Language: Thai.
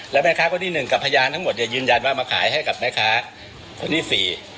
แล้วแม่ค้าคนที่หนึ่งกับพยานทั้งหมดเนี่ยยืนยันว่ามาขายให้กับแม่ค้าคนที่สี่